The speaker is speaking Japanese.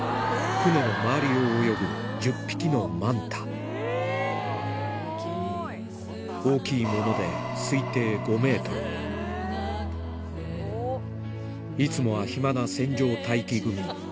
船の周りを泳ぐ１０匹のマンタ大きいものでいつもは暇な船上待機組